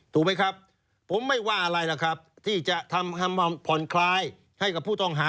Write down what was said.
ถูกไหมครับผมไม่ว่าอะไรล่ะครับที่จะทำผ่อนคลายให้กับผู้ต้องหา